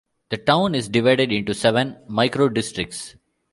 The town is divided into seven microdistricts.